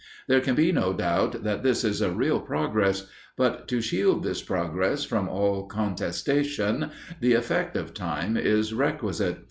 There can be no doubt that this is a real progress; but to shield this progress from all contestation, the effect of time is requisite.